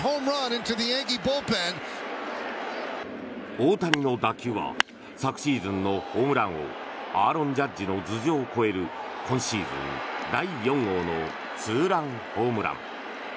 大谷の打球は昨シーズンのホームラン王アーロン・ジャッジの頭上を越える今シーズン第４号のツーランホームラン。